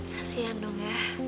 kasihan dong ya